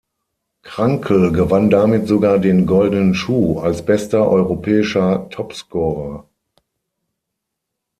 Krankl gewann damit sogar den "Goldenen Schuh" als bester europäischer Topscorer.